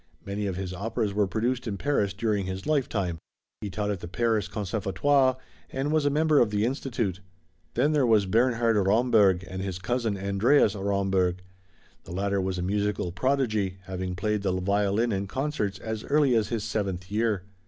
Many of his operas were produced in Paris during his lifetime. He taught at the Paris Conservatoire, and was a member of the Institute. Then there was Bernhard Romberg, and his cousin Andreas Romberg. The latter was a musical prodigy, having played the violin in concerts as early as his seventh year.